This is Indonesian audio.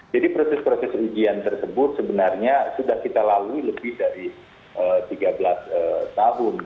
jadi proses proses ujian tersebut sebenarnya sudah kita lalui lebih dari tiga belas tahun